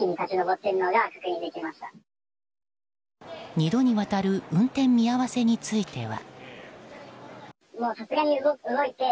２度にわたる運転見合わせについては。